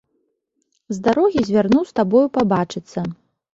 З дарогі звярнуў з табою пабачыцца.